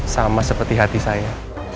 sama seperti hati saya